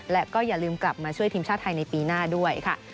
และก็อย่าลืมกลับมาช่วยทีมชาติไทยในปีหน้าด้วยค่ะ